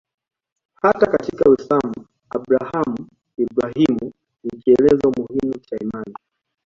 Hata katika Uislamu Abrahamu-Ibrahimu ni kielelezo muhimu cha imani.